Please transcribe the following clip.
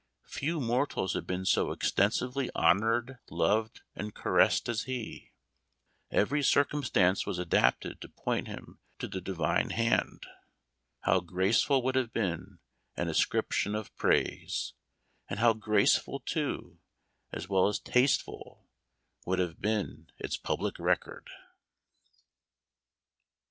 Few mortals had been so extensively honored, loved, and caressed as he. Every circumstance was adapted to point him to the divine hand. How graceful would have been an ascription of praise ! and how graceful, too, as well as taste ful, would have been its public record